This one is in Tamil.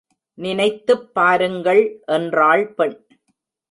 நினைத்துப் பாருங்கள் என்றாள் பெண்.